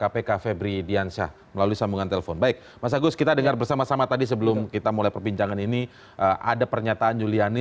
padahal yang menikmati itu kan nazarudin